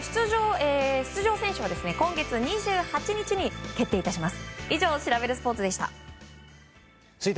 出場選手は今月２８日に決定致します。